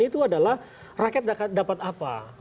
itu adalah rakyat dapat apa